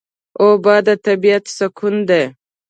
اوبه د طبیعت سکون ده.